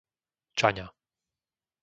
Čaňa